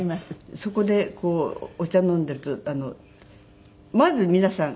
そこでこうお茶飲んでいるとまず皆さん